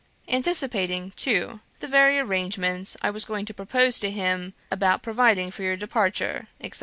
Anticipating, too, the very arrangements I was going to propose to him about providing for your departure, etc.